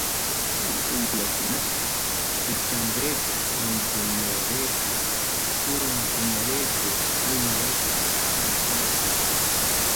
Kay uywakunata aychanrayku, runtunkunarayku, phurunkunarayku uywasqa karqaku.